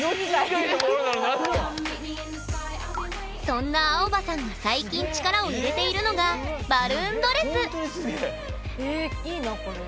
そんなアオバさんが最近力を入れているのがえいいなこれ。